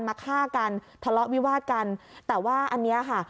มาฆ่ากันทะเลาะวิวาดกันแต่ว่าอันนี้ค่ะ